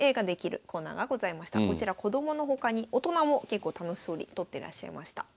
こちら子供の他に大人も結構楽しそうに撮ってらっしゃいました。